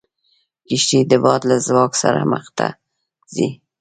کښتۍ د باد له ځواک سره مخ ته ځي.